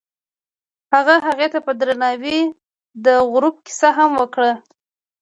هغه هغې ته په درناوي د غروب کیسه هم وکړه.